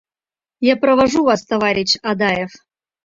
Я провожу вас, товарищ Адаев.